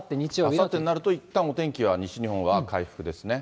あさってになるといったんお天気は西日本は回復ですね。